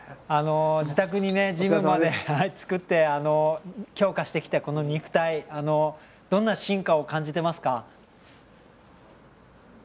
自宅にジムも作って強化してきた、この肉体どんな進化を感じてますか？